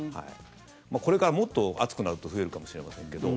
これからもっと、暑くなると増えるかもしれませんけど。